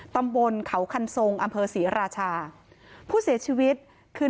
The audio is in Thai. ตำบลเขาคันทรงอำเภอศรีราชาผู้เสียชีวิตคือ